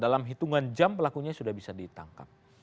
dalam hitungan jam pelakunya sudah bisa ditangkap